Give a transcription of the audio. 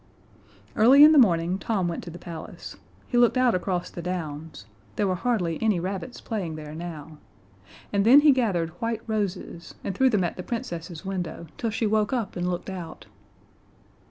Early in the morning Tom went to the palace. He looked out across the downs there were hardly any rabbits playing there now and then he gathered white roses and threw them at the Princess's window till she woke up and looked out.